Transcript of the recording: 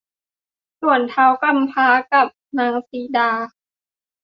ส่วนท้าวกำพร้ากับนางสีดา